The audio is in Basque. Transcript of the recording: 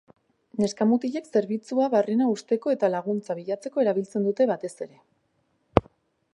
Neska-mutilek zerbitzua barrena husteko eta laguntza bilatzeko erabiltzen dute, batez ere.